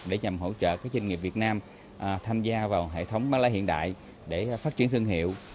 để nhằm hỗ trợ các doanh nghiệp việt nam tham gia vào hệ thống bán lẻ hiện đại để phát triển thương hiệu